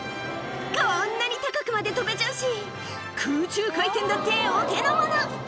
こーんなに高くまで飛べちゃうし、空中回転だってお手の物。